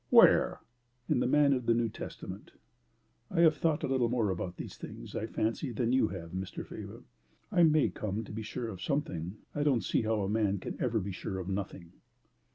"Where?" "In the man of the New Testament. I have thought a little more about these things, I fancy, than you have, Mr. Faber. I may come to be sure of something; I don't see how a man can ever be sure of NOTHING."